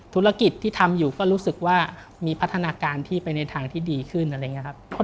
ธุรกิจที่ทำอยู่ก็รู้สึกว่ามีพัฒนาการที่ไปในทางที่ดีขึ้นอะไรอย่างนี้ครับ